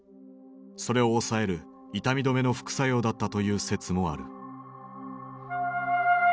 それを抑える痛み止めの副作用だったという説もある。